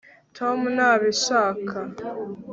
tom ntabishaka